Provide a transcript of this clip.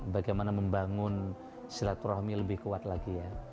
bagaimana membangun silat rohmi lebih kuat lagi